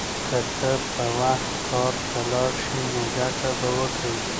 که ته په وخت کار ته لاړ شې نو ګټه به وکړې.